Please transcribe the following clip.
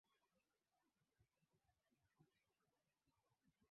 Tawala za Kichifu muingiliano wa mafundisho ya Dini kuu mbili yaani Uislamu na Ukristo